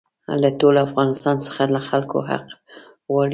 له ټول افغانستان څخه له خلکو حق غواړي.